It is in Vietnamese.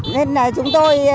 nên là chúng tôi